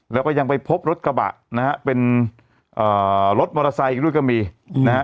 แล้วก็ยังไปพบรถกระบะนะฮะเป็นอ่ารถมอเตอร์ไซค์อีกด้วยก็มีนะฮะ